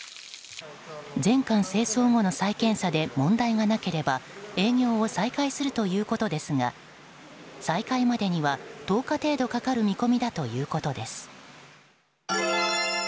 全館清掃後の再検査で問題がなければ営業を再開するということですが再開までには、１０日程度かかる見込みだということです。